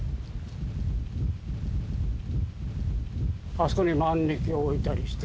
あそこに万力を置いたりして。